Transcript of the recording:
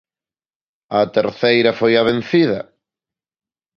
Á terceira foi a vencida.